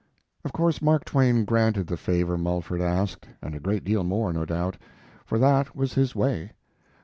Of course Mark Twain granted the favor Mulford asked, and a great deal more, no doubt, for that was his way.